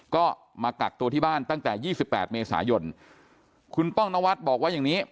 ก็มากักตัวที่บ้านตั้งแต่ยี่สิบแปดเมษายนคุณป้องนวัดบอกว่าอย่างนี้